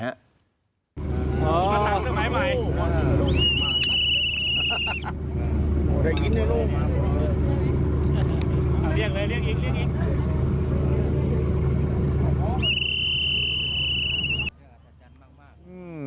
อ๋อมาสั่งสมัยใหม่